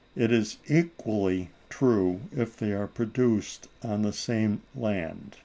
It is equally true if they are produced on the same land.